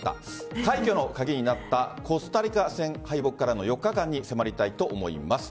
快挙の鍵になったコスタリカ戦敗北からの４日間に迫りたいと思います。